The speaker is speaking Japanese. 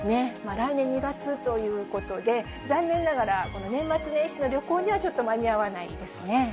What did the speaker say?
来年２月ということで、残念ながら、年末年始の旅行にはちょっと間に合わないですね。